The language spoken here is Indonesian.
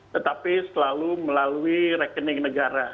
tetapi selalu melalui rekening negara